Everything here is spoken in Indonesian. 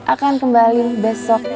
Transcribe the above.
akan kembali besok